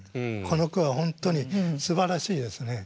この句は本当にすばらしいですね。